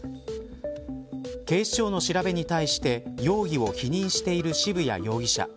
警視庁の調べに対して容疑を否認している渋谷容疑者。